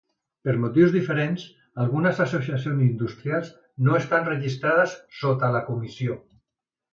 Per motius diferents, algunes associacions industrials no estan registrades sota la comissió.